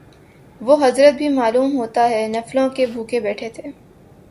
وہ حضرت بھی معلوم ہوتا ہے نفلوں کے بھوکے بیٹھے تھے